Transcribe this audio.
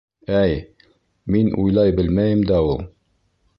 — Әй, мин уйлай белмәйем дә ул...